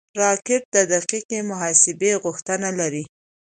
راکټ د دقیقې محاسبې غوښتنه لري